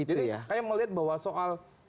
jadi saya melihat bahwa soal ini